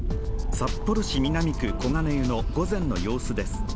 札幌市南区小金湯の午前の様子です。